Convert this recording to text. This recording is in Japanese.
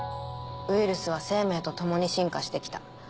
ウイルスは生命と共に進化して来た。